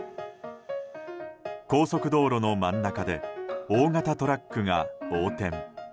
高速道路の真ん中で大型トラックが横転。